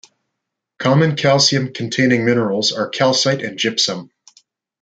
Common calcium-containing minerals are calcite and gypsum.